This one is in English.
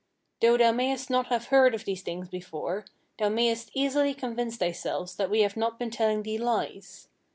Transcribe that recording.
Though thou mayest not have heard of these things before, thou mayest easily convince thyself that we have not been telling thee lies.